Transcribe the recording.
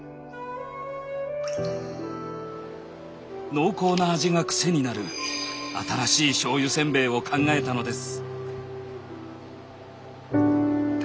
濃厚な味がクセになる新しい醤油せんべいを考えたのです。